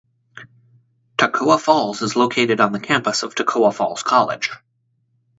Toccoa Falls is located on the campus of Toccoa Falls College.